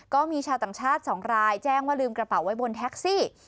ก็มีชาวต่างชาติ๒รายแจ้งว่าลืมกระเป๋าไว้บนแท็กซี่